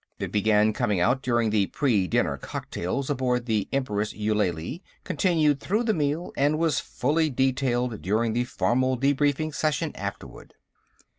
It began coming out during the pre dinner cocktails aboard the Empress Eulalie, continued through the meal, and was fully detailed during the formal debriefing session afterward.